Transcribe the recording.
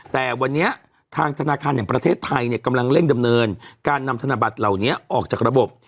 แต่วันนี้ทางธนาคารแห่งประเทศไทยเนี่ยกำลังเร่งดำเนินการนำธนบัตรเหล่านี้ออกจากระบบ